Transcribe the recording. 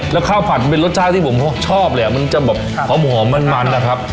แล้วข้าวผัดมันเป็นรสชาติที่ผมชอบเลยมันจะแบบหอมมันนะครับ